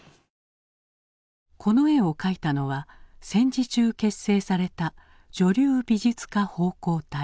この絵を描いたのは戦時中結成された「女流美術家奉公隊」。